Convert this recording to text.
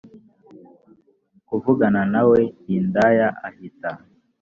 kuvugana nawe hidaya ahita